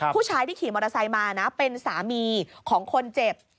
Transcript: ผู้ชายที่ขี่มอเตอร์ไซค์มานะเป็นสามีของคนเจ็บ